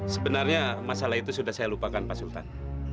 sebenarnya masalah itu sudah saya lupakan pak sultan